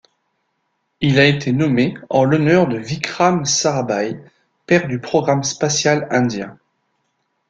Il a été nommé en l'honneur de Vikram Sarabhai, père du programme spatial indien.